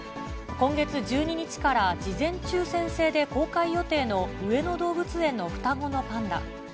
今月１２日から、事前抽せん制で公開予定の上野動物園の双子のパンダ。